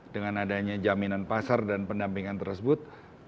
dengan adanya jaminan pasar dan pendampingan tersebut